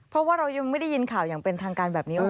เพราะว่าเรายังไม่ได้ยินข่าวอย่างเป็นทางการแบบนี้